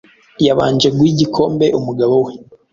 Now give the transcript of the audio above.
Yabanje guha igikombe umugabo we